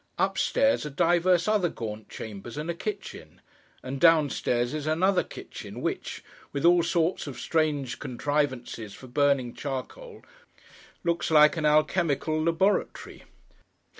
Up stairs are divers other gaunt chambers, and a kitchen; and down stairs is another kitchen, which, with all sorts of strange contrivances for burning charcoal, looks like an alchemical laboratory.